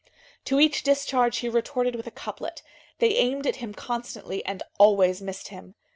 To each discharge he retorted with a couplet. They aimed at him constantly, and always missed him.